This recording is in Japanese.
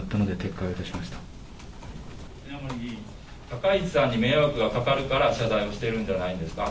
高市さんに迷惑がかかるから謝罪をしているんじゃないんですか。